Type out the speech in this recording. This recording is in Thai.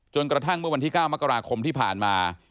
กระทั่งเมื่อวันที่๙มกราคมที่ผ่านมา